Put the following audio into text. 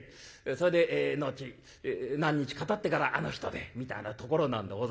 それで後何日かたってから「あの人で」みたいなところなんでございましょう。